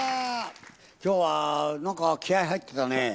今日はなんか気合い入ってたね。